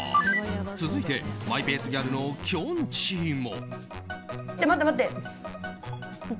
続いて、マイペースギャルのきょんちぃも。